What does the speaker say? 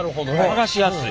はがしやすい。